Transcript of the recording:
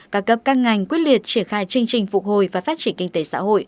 các cấp các ngành quyết liệt triển khai chương trình phục hồi và phát triển kinh tế xã hội